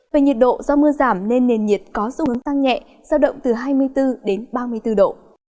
về nhiệt độ do mưa giảm nên nền nhiệt có xu hướng tăng nhẹ giao động từ hai mươi bốn đến ba mươi bốn độ